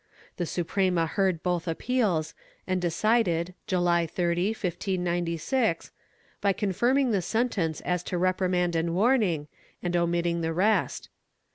The Suprema heard both appeals and decided, July 30, 1596, by confirming the sentence as to reprimand and warning, and omitting the rest.